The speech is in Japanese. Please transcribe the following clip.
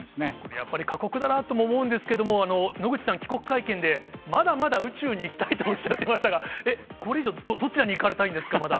やっぱり過酷だなとも思うんですけれども、野口さん、帰国会見でまだまだ宇宙に行きたいとおっしゃってましたが、これ以上、どちらに行かれたいんですか、まだ。